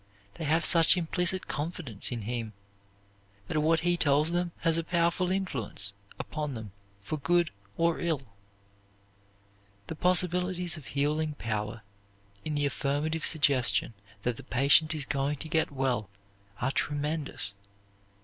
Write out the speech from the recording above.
They have such implicit confidence in him that what he tells them has powerful influence upon them for good or ill. The possibilities of healing power in the affirmative suggestion that the patient is going to get well are tremendous.